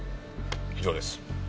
以上です。